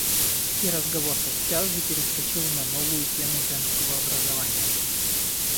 И разговор тотчас же перескочил на новую тему женского образования.